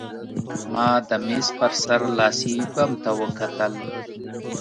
ما د مېز په سر لاسي بم ته وکتل